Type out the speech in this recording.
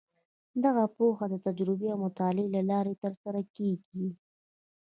دغه پوهه د تجربې او مطالعې له لارې ترلاسه کیږي.